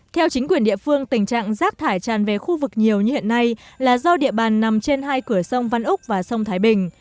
theo chính quyền địa phương tình trạng rác thải tràn về khu vực nhiều như hiện nay là do địa bàn nằm trên hai cửa sông văn úc và sông thái bình